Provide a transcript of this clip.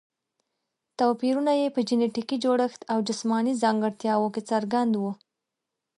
توپیرونه یې په جینټیکي جوړښت او جسماني ځانګړتیاوو کې څرګند وو.